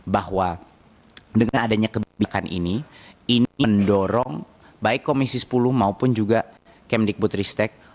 bahwa dengan adanya kebijakan ini ini mendorong baik komisi sepuluh maupun juga kemdikbud ristek